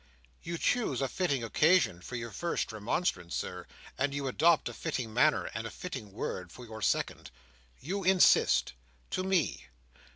"You chose a fitting occasion for your first remonstrance, Sir, and you adopt a fitting manner, and a fitting word for your second. You insist! To me!"